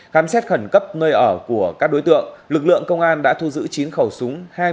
khám xét khẩn cấp nơi ở của các đối tượng lực lượng công an đã thu giữ chín khẩu súng